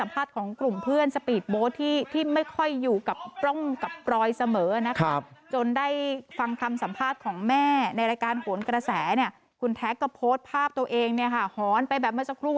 ภาพตัวเองเนี่ยค่ะหอนไปแบบเมื่อสักครู่